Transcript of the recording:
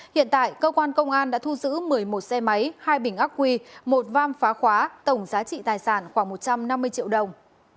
hiện tại cơ quan công an đã thu giữ một mươi một xe máy hai bình ác quy một vam phá khóa tổng giá trị tài sản khoảng một trăm năm mươi triệu đồng